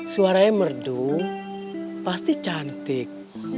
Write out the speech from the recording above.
suaranya merdu pasti cantik